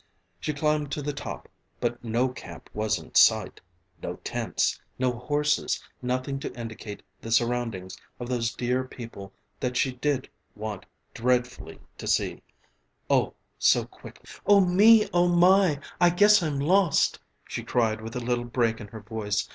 She climbed to the top, but no camp was in sight, no tents, no horses, nothing to indicate the surroundings of those dear people that she did want dreadfully to see, O! so quickly. "Oh me, oh my, I guess I'm lost!" she cried with a little break in her voice.